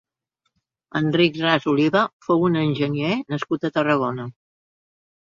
Enric Ras Oliva fou un enginyer nascut a Tarragona